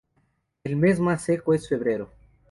El mes más seco es febrero.